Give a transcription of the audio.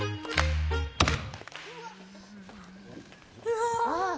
うわ。